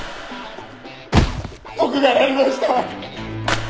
僕がやりました！